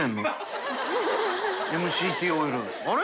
あれ？